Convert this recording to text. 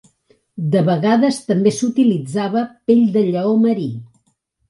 De vegades també s'utilitzava pell de lleó marí.